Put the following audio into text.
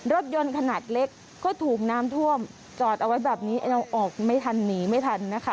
รถยนต์ขนาดเล็กก็ถูกน้ำท่วมจอดเอาไว้แบบนี้เอาออกไม่ทันหนีไม่ทันนะคะ